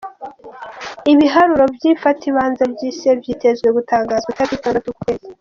Ibiharuro vy'imafatakibanza vy'icese vyitezwe gutangazwa itariki zitandatu uku kwezi.